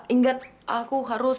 ingat aku harus